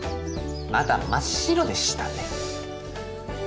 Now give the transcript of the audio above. まだ真っ白でしたね。